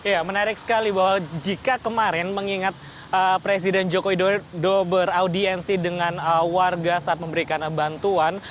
ya menarik sekali bahwa jika kemarin mengingat presiden joko widodo beraudiensi dengan warga saat memberikan bantuan